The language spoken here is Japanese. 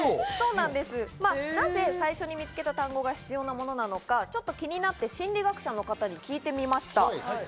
なぜ、最初に見つけた単語が必要なものなのか、ちょっと気になって心理学者の方に聞いてみました。